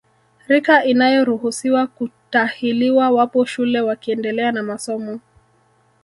Rika inayoruhusiwa kutahiliwa wapo shule wakiendelea na masomo